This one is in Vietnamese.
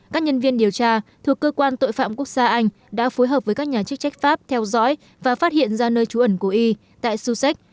các nhân viên điều tra thuộc cơ quan tội phạm quốc gia anh đã phối hợp với các nhà chức trách pháp theo dõi và phát hiện ra nơi trú ẩn của y tại sussex